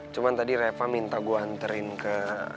cuma tadi reva minta gue anterin ke